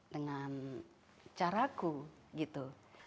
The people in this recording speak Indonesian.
dengan caraku gitu